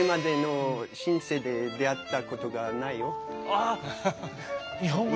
あっ日本語